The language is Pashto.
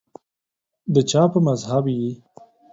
دچا په مذهب یی